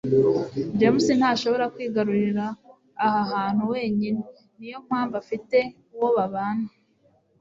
james ntashobora kwigurira aha hantu wenyine. niyo mpamvu afite uwo babana